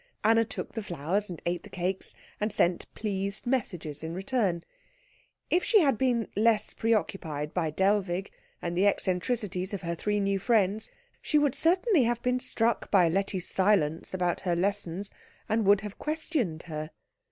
Anna took the flowers, and ate the cakes, and sent pleased messages in return. If she had been less preoccupied by Dellwig and the eccentricities of her three new friends, she would certainly have been struck by Letty's silence about her lessons, and would have questioned her.